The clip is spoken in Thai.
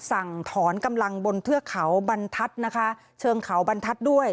สั่งถอนกำลังบนเทือกเขาบรรทัศน์นะคะเชิงเขาบรรทัศน์ด้วย